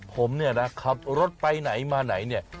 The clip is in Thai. ผมเนี่ยนะขับรถไปไหนมาไหนเนี่ย